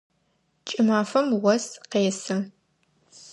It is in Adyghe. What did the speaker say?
Кӏымафэм ос къесы.